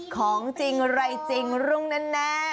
ของจริงอะไรจริงรุ่งแน่